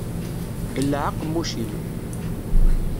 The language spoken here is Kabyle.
Belleɛ aqemmuc-im.